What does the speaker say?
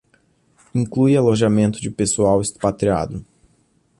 Inclui alojamento de pessoal expatriado.